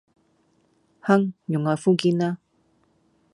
啍用愛膚堅啦